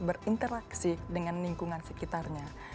berinteraksi dengan lingkungan sekitarnya